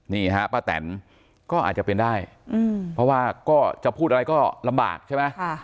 นี่ฮะป้าแตนก็อาจจะเป็นได้เพราะว่าก็จะพูดอะไรก็ลำบากใช่ไหม